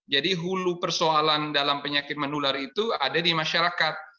jadi hulu persoalan dalam penyakit menular itu ada di masyarakat